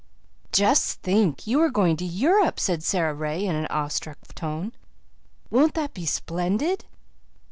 "Just think, you are going to Europe," said Sara Ray in an awe struck tone. "Won't that be splendid!"